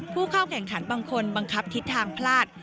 ผู้เข้าแข่งขันบางคนบังคับทิศทางพลาด